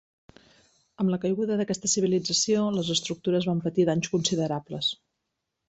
Amb la caiguda d'aquesta civilització les estructures van patir danys considerables.